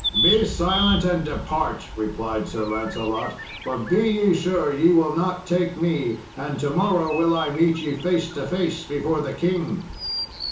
"] "Be silent and depart," replied Sir Lancelot; "for be ye sure ye will not take me, and to morrow will I meet ye face to face before the king."